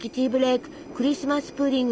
クリスマス・プディング